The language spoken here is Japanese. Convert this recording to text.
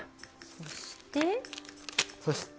そして。